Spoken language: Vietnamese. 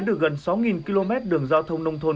được gần sáu km đường giao thông nông thôn